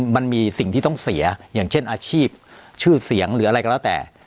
มันมีสิ่งที่ต้องเสียอย่างเช่นอาชีพชื่อเสียงหรืออะไรก็แล้วแต่